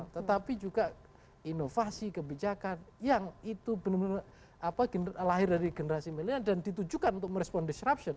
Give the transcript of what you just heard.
tetapi juga inovasi kebijakan yang itu benar benar lahir dari generasi milenial dan ditujukan untuk merespon disruption